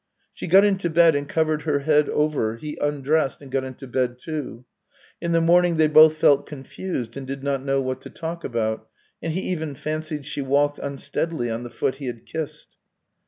She got into bed and covered her head over ; he undressed and got into bed. too. In the morning they both felt confused and did not know what to talk about, and he even fancied she walked un steadily on the foot he had kissed.